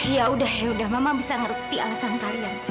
ya udah ya udah mama bisa ngerti alasan kalian